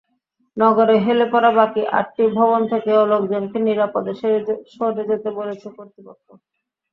নগরে হেলে পড়া বাকি আটটি ভবন থেকেও লোকজনকে নিরাপদে সরে যেতে বলেছে কর্তৃপক্ষ।